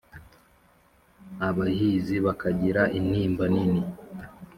Abahizi bakagira intimba nini